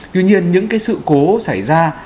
tuy nhiên những cái sự cố xảy ra